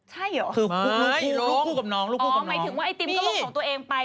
ใช่เหรอลูกคู่กับน้องลูกคู่กับน้องอ๋อหมายถึงว่าไอ้ติ๊มก็ลงของตัวเองไป